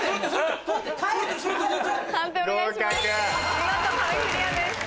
見事壁クリアです。